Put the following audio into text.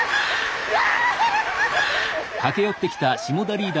うわ！